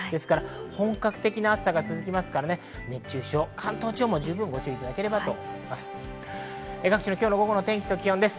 本格的な暑さが続くので熱中症、関東地方もご注意いただければと思います。